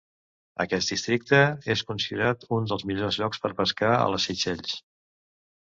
Aquest districte és considerat un dels millors llocs per pescar a les Seychelles.